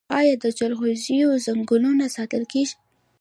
آیا د جلغوزیو ځنګلونه ساتل کیږي؟